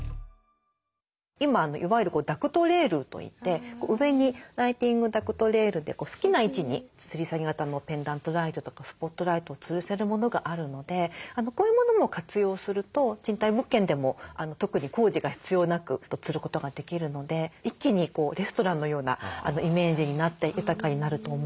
今いわゆるダクトレールといって上にライティングダクトレールで好きな位置につり下げ型のペンダントライトとかスポットライトをつるせるものがあるのでこういうものも活用すると賃貸物件でも特に工事が必要なくつることができるので一気にレストランのようなイメージになって豊かになると思うので。